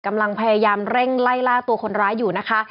กำลังพยายามเร่งไล่ล่าตัวคนร้ายอยู่นะคะ